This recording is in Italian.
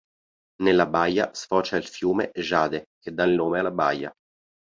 Nella baia sfocia il fiume Jade che da il nome alla baia.